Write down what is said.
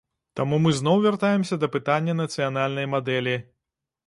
Тут мы зноў вяртаемся да пытання нацыянальнай мадэлі.